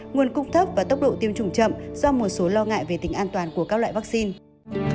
nguồn cung thấp và tốc độ tiêm chủng chậm do một số lo ngại về tính an toàn của các loại vaccine